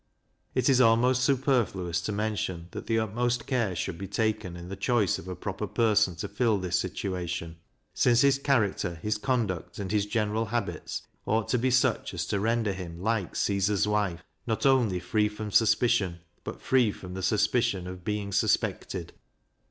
It is almost superfluous to mention, that the utmost care should be taken in the choice of a proper person to fill this situation, since his character, his conduct, and his general habits, ought to be such as to render him like Caesar's wife "not only free from suspicion, but free from the suspicion of being suspected."